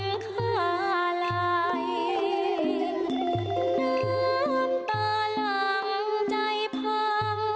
น้ำตาหลังใจพังสลายเผ็ดดินร้องหาย